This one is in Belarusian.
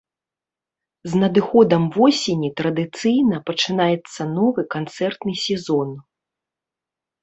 З надыходам восені традыцыйна пачынаецца новы канцэртны сезон.